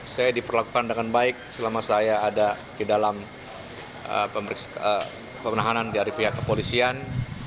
saya diperlakukan dengan baik selama saya ada di dalam penahanan dari pihak kepolisian